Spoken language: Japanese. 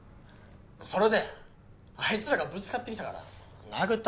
それであいつらがぶつかってきたから殴ったった。